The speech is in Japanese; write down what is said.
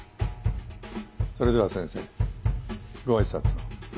それでは先生ご挨拶を。